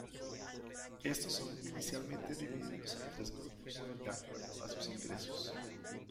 Estos son inicialmente divididos en tres grupos, de acuerdo a sus ingresos.